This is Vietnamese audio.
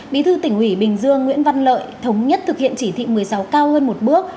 bí thư tỉnh ủy bình dương nguyễn văn lợi thống nhất thực hiện chỉ thị một mươi sáu cao hơn một bước